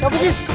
cabut di sini